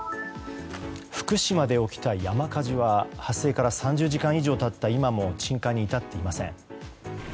福島で起きた山火事は発生から３０時間以上経った今も鎮火に至っていません。